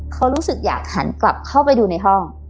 เขารู้สึกอยากหันกลับเข้าไปดูในห้อง